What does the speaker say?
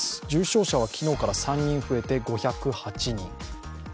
重症者は昨日から３人増えて５０８人。